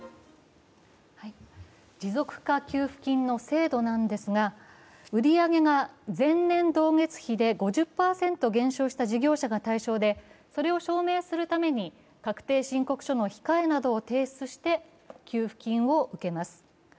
持続化給付金の制度なんですが、売り上げが前年同月比で５０％減少した事業者が対象でそれを証明するために確定申告書の控えなどを提出して給付金を受けます。